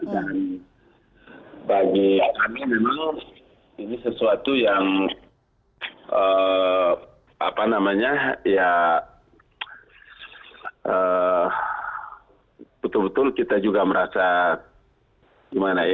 dan bagi kami memang ini sesuatu yang betul betul kita juga merasa gimana ya